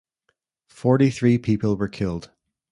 Forty-three people were killed.